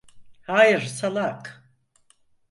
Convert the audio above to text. Hayır, salak.